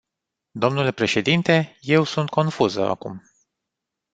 Dle președinte, eu sunt confuză acum.